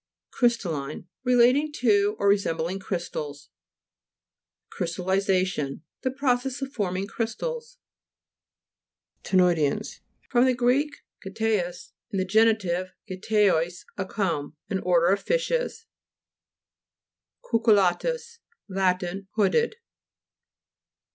CRY'STALLINE Relating to, or re sembling crystals. CRYSTALLISA'TION The process of forming crystals. CTENOIDEANS fr. gr. kteis, in the genitive, ktenos, a comb. An order of fishes (p. 48). CUCTTLLA'TUS Lat. Hooded.